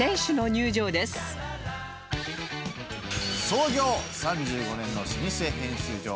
創業３５年の老舗編集所